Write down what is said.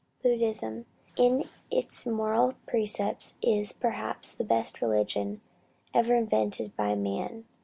"Buddhism in its moral precepts is perhaps the best religion ever invented by man.